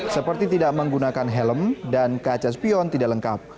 seperti tidak menggunakan helm dan kaca spion tidak lengkap